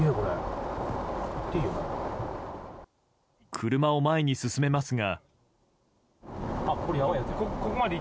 車を前に進めますが。